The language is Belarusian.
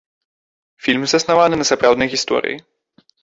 Фільм заснаваны на сапраўднай гісторыі.